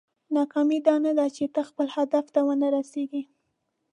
ناکامي دا نه ده چې ته خپل هدف ته ونه رسېږې.